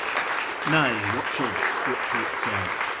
Nay, what shall the Scripture itself?